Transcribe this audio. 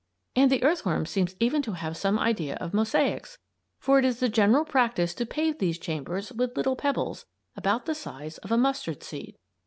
And the earthworm seems even to have some idea of mosaics, for it is the general practice to pave these chambers with little pebbles about the size of a mustard seed.